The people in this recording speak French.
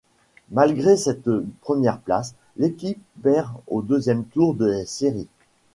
Malgré cette première place, l'équipe perd au deuxième tour des séries.